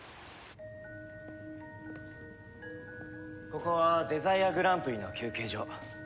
ここはデザイアグランプリの休憩所。